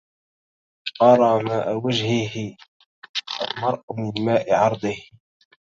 أرى ماء وجه المرء من ماء عرضه